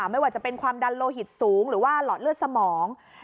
ไม่ว่าจะเป็นความดันโลหิตสูงหรือว่าหลอดเลือดสมอง